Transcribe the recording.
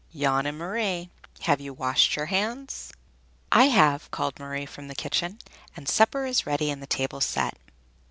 "Jan and Marie, have you washed your hands?" "I have," called Marie from the kitchen, "and supper is ready and the table set."